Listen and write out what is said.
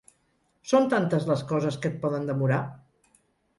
Són tantes les coses que et poden demorar!